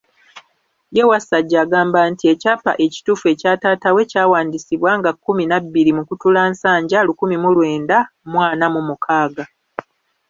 Ye Wasajja agamba nti ekyapa ekituufu ekya taata we kyawandiisibwa nga kkumi na bbiri Mukutulansanja, lukumi mu lwenda mu ana mu mukaaga.